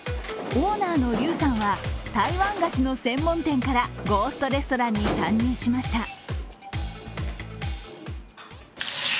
オーナーの劉さんは台湾菓子の専門店から、ゴーストレストランに参入しました。